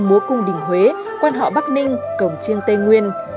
múa cung đình huế quan họ bắc ninh cổng chiêng tây nguyên